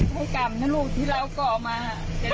ให้กรรมนะลูกที่เราก่อมา